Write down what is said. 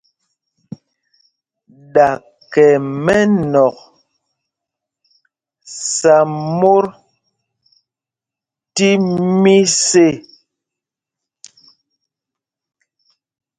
Ɗakɛ mɛnɔ̂k sá mot tí mis ê.